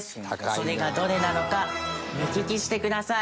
それがどれなのか目利きしてください。